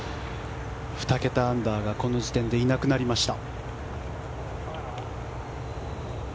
２桁アンダーがこの時点でいなくなりました。